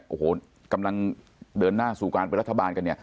โอ้โหกำลังเดินหน้าสู่การเป็นรัฐบาลกันเนี่ย